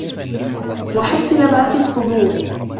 وَحُصِّلَ ما فِي الصُّدورِ